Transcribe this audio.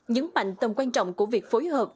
nhấn mạnh tầm quan trọng của việc phối hợp